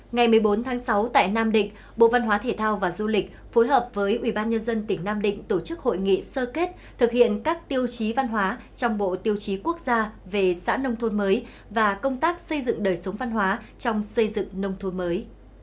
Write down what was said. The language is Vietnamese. ngày một mươi bốn tháng sáu tại nam định bộ văn hóa thể thao và du lịch phối hợp với ủy ban nhân dân tỉnh nam định tổ chức hội nghị sơ kết thực hiện các tiêu chí văn hóa trong bộ tiêu chí quốc gia về xã nông thôn mới và công tác xây dựng đời sống văn hóa trong xây dựng nông thôn mới